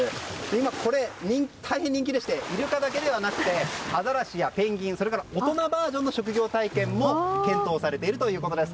今、これ大変人気でしてイルカだけではなくアザラシやペンギンそして大人バージョンの職業体験も検討されているということです。